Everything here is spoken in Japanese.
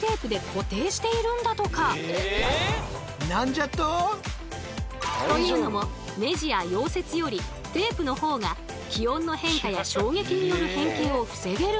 実はここというのもネジや溶接よりテープのほうが気温の変化や衝撃による変形を防げるんだとか。